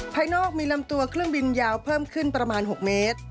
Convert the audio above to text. ภายนอกมีลำตัวเครื่องบินยาวเพิ่มขึ้นประมาณ๖เมตร